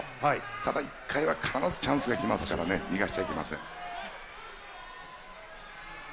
ただ一回は必ずチャンスは来ますからね、逃がしちゃいけません。